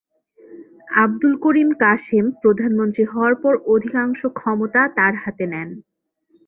আবদুল করিম কাসেম প্রধানমন্ত্রী হওয়ার পর অধিকাংশ ক্ষমতা তার হাতে নেন।